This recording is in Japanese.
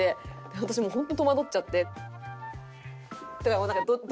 私もう本当戸惑っちゃって。